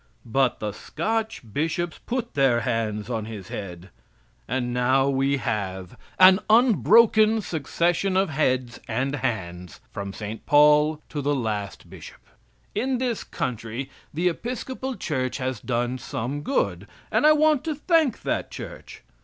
But the Scotch Bishops put their hands on his head, and now we have an unbroken succession of heads and hands from St. Paul to the last bishop. In this country the Episcopal Church has done some good, and I want to thank that Church.